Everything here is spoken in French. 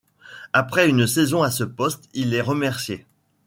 Après une saison à ce poste, il est remercié.